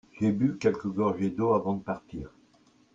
J'ai bu quelques gorgées d'eau avant de partir.